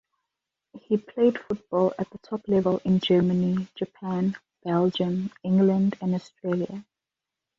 He played football at the top level in Germany, Japan, Belgium, England and Australia.